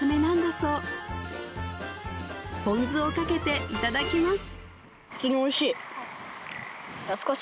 そうポン酢をかけていただきます